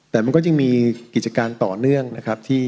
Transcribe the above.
แต่มันก็ยังมีกิจการต่อเนื่องนะครับ